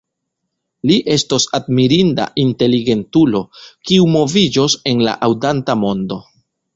Li estos admirinda inteligentulo, kiu moviĝos en la aŭdanta mondo.